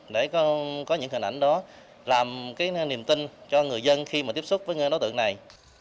để có những hình ảnh đó làm cái niềm tin cho người dân khi mà tiếp xúc với đối tượng này